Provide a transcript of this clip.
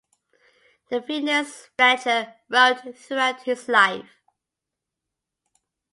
Phineas Fletcher wrote throughout his life.